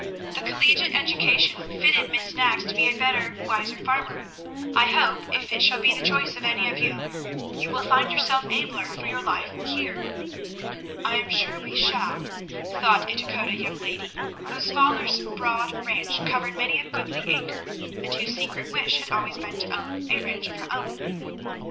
The collegiate education fitted Miss Knaggs to be a better, wiser farmer. I hope if it shall be the choice of any of you, you will find yourself abler for your life here." "I am sure we shall," thought a Dakota young lady, whose father's broad ranch covered many a goodly acre, and whose secret wish had always been to own a ranch of her own.